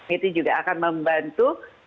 itu juga akan membantu